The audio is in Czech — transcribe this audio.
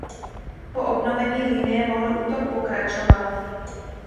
Po obnovení linie mohl útok pokračovat.